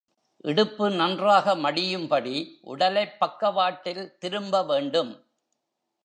இடுப்பு நன்றாக மடியும்படி, உடலைப் பக்கவாட்டில் திரும்ப வேண்டும்.